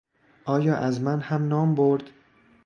آیا از من هم نام برد؟